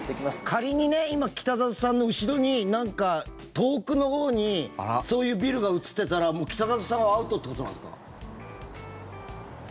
仮に今、北里さんの後ろに遠くのほうにそういうビルが映っていたらもう北里さんはアウトってことなんですか？